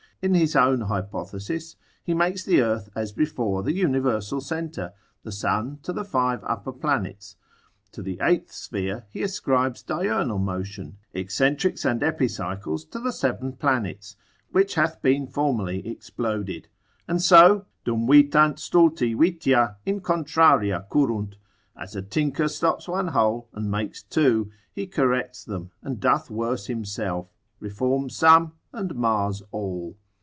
In his own hypothesis he makes the earth as before the universal centre, the sun to the five upper planets, to the eighth sphere he ascribes diurnal motion, eccentrics, and epicycles to the seven planets, which hath been formerly exploded; and so, Dum vitant stulti vitia in contraria currunt, as a tinker stops one hole and makes two, he corrects them, and doth worse himself: reforms some, and mars all.